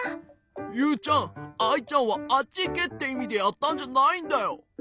ユウちゃんアイちゃんはあっちいけっていみでやったんじゃないんだよ。